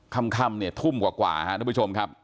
คำทุ่มกว่าทุกผู้ชมครับ